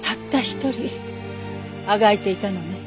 一人あがいていたのね。